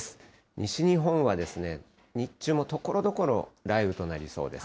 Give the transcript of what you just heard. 西日本は、日中もところどころ、雷雨となりそうです。